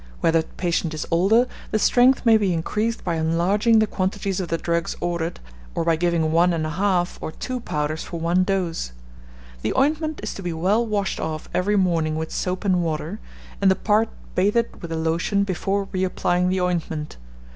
Where the patient is older, the strength may be increased by enlarging the quantities of the drugs ordered, or by giving one and a half or two powders for one dose. The ointment is to be well washed off every morning with soap and water, and the part bathed with the lotion before re applying the ointment.